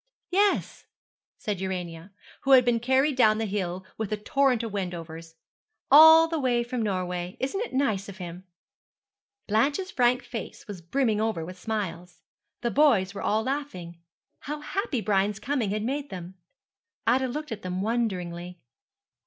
'Yes,' said Urania, who had been carried down the hill with the torrent of Wendovers, 'all the way from Norway. Isn't it nice of him?' Blanche's frank face was brimming over with smiles. The boys were all laughing. How happy Brian's coming had made them! Ida looked at them wonderingly.